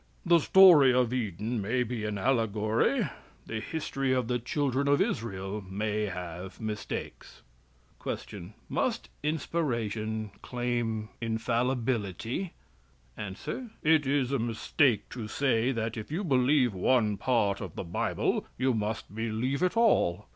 "The story of Eden may be an allegory; the history of the children of Israel may have mistakes." Q. Must inspiration claim infallibility? A. "It is a mistake to say that if you believe one part of the Bible you must believe all.